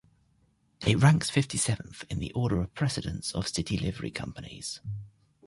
It ranks fifty-seventh in the order of precedence of City Livery Companies.